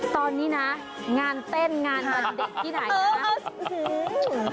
ตอนนี้นะงานเต้นงานวันเด็กที่ไหนนะ